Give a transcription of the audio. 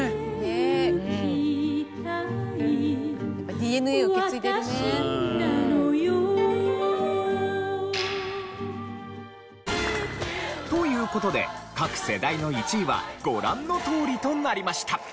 ＤＮＡを受け継いでるね。という事で各世代の１位はご覧のとおりとなりました。